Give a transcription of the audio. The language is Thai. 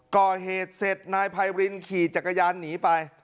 ก่อเหตุเสร็จนายไพรินขี่จักรยานหนีไป